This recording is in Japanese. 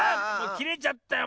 きれちゃったよ